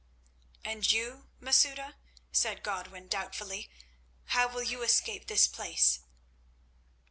"And you, Masouda," said Godwin, doubtfully; "how will you escape this place?"